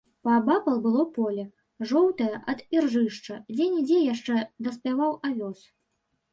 Паабапал было поле, жоўтае ад іржышча, дзе-нідзе яшчэ даспяваў авёс.